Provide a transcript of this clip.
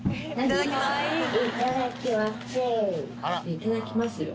いただきますよ。